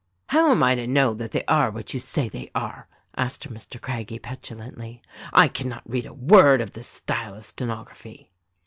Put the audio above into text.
"How am I to know that they are what you say they are," asked Mr. Craggie petulantly; "I cannot read a word of this style of stenography."